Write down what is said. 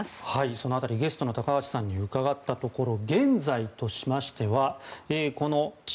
その辺りゲストの高橋さんに伺ったところ現在としましては地